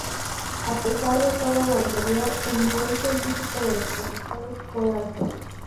A pesar de todo lo anterior, el nivel científico de los profesores fue alto.